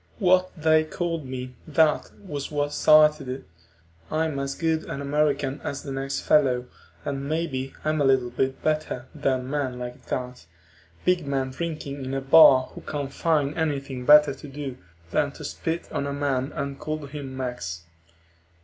What they called me, that was what started it. I'm as good an American as the next fellow, and maybe a little bit better than men like that, big men drinking in a bar who can't find anything better to do than to spit on a man and call him Mex.